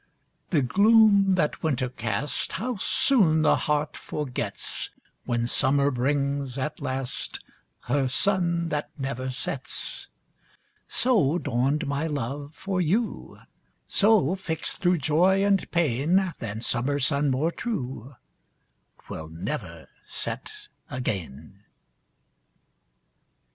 The gloom that winter cast, How soon the heart forgets, When summer brings, at last, Her sun that never sets! So dawned my love for you; So, fixt thro' joy and pain, Than summer sun more true, 'Twill never set again.